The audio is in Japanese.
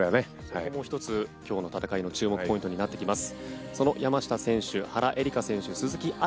そこも１つ今日の戦いの注目ポイントになってきます。